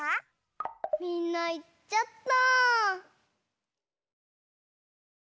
みんないっちゃった。